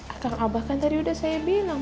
akang abah kan tadi udah saya bilang